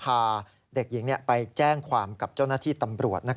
พาเด็กหญิงไปแจ้งความกับเจ้าหน้าที่ตำรวจ